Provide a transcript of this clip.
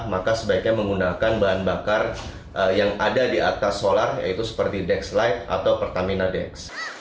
maka sebaiknya menggunakan bahan bakar yang ada di atas solar yaitu seperti dex light atau pertamina dex